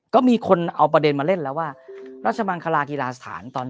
ก็มีคนเอาประเด็นมาเล่นแล้วว่าราชมังคลากีฬาสถานตอน